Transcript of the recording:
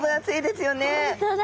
本当だ。